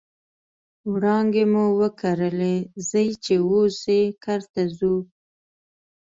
وړانګې مو وکرلې ځي چې اوس یې کرته ورځو